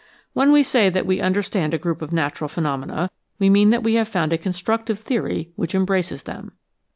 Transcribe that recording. When we say that we understand a group of natural phenomena, we mean that we have found a constructive theory which embraces them.